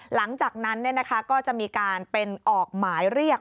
หลังจากนั้นก็จะมีการเป็นออกหมายเรียก